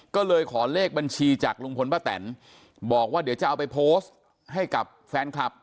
ก็เลยขอเลขบัญชีจากลุงพลป้าแตนบอกว่าเดี๋ยวจะเอาไปโพสต์ให้กับแฟนคลับ